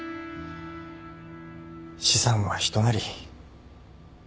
資産は人なり。